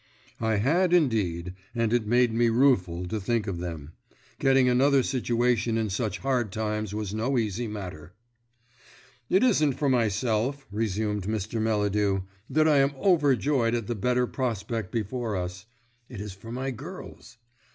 I had indeed, and it made me rueful to think of them. Getting another situation in such hard times was no easy matter. "It isn't for myself," resumed Mr. Melladew, "that I am overjoyed at the better prospect before us: it is for my girls.